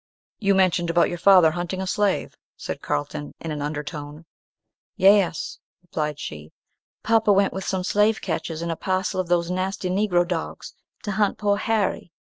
"You mentioned about your father hunting a slave," said Carlton, in an undertone. "Yes," replied she: "papa went with some slave catchers and a parcel of those nasty Negro dogs, to hunt poor Harry.